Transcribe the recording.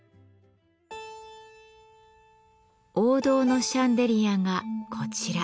王道のシャンデリアがこちら。